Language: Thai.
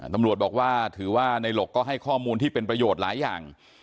ตำรวจบอกว่าถือว่าในหลกก็ให้ข้อมูลที่เป็นประโยชน์หลายอย่าง